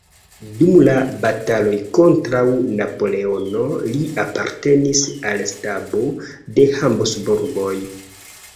Dum la bataloj kontraŭ Napoleono li apartenis al stabo de Habsburgoj.